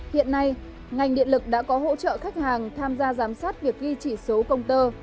hiện nay ngành điện lực đã có hỗ trợ khách hàng tham gia giám sát việc ghi chỉ số công tơ